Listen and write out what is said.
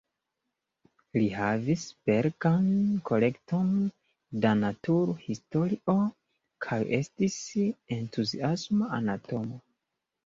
Li havis belegan kolekton da naturhistorio kaj estis entuziasma anatomo.